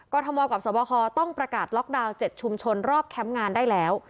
ทมกับสวบคต้องประกาศล็อกดาวน์๗ชุมชนรอบแคมป์งานได้แล้ว